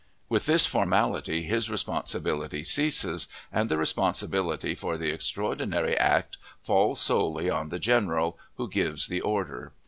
With this formality his responsibility ceases, and the responsibility for the extraordinary act falls solely on the general who gives the order.